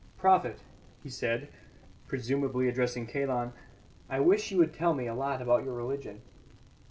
"Prophet," he said, presumably addressing Kalon, "I wish you would tell me a lot about your religion."